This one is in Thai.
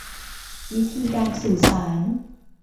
วิธีการสื่อสาร